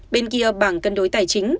bên kia bảng cân đối tài chính